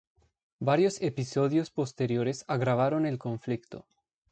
Varios episodios posteriores agravaron el conflicto.